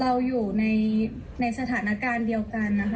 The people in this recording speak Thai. เราอยู่ในสถานการณ์เดียวกันนะคะ